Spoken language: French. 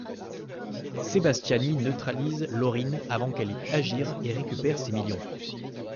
Sebastiani neutralise Laureen avant qu'elle ait pu agir et récupère ses millions.